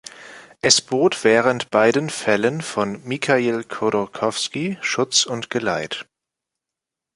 Es bot während beiden Fällen von Mikhail Khodorkovsky Schutz und Geleit.